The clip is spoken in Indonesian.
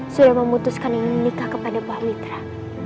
sudah memutuskan ingin menikah kepada pak mitra